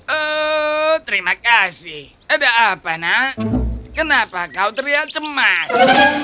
oh terima kasih ada apa nak kenapa kau terlihat cemas